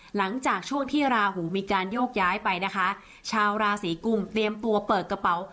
หลังจากช่วงที่ราหูมีการโยกย้ายไปนะคะชาวราศีกุมเตรียมตัวเปิดกระเป๋า